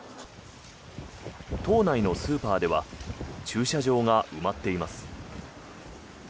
島内のスーパーでは駐車場が埋まっています。